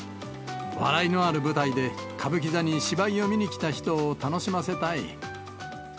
笑いのある舞台で、歌舞伎座に芝居を見に来た人を楽しませたい。